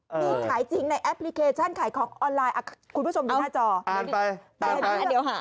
มีขายจริงในแอปพลิเคชันขายของออนไลน์คุณผู้ชมดูหน้าจอดนะเดี๋ยวหา